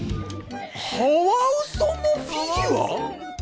カワウソのフィギュア？